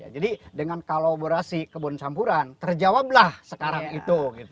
jadi dengan kolaborasi kebun sampuran terjawablah sekarang itu